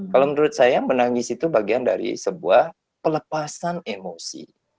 kalau menurut saya menangis itu bagian dari sebuah pelepasan emosi